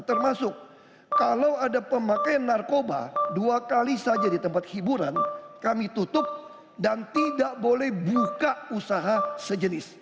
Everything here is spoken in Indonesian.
termasuk kalau ada pemakai narkoba dua kali saja di tempat hiburan kami tutup dan tidak boleh buka usaha sejenis